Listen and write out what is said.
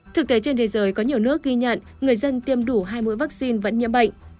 thực tế trên thế giới có nhiều nước ghi nhận người dân tiêm đủ hai mũi vaccine vẫn nhiễm bệnh